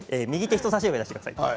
人さし指を出してください。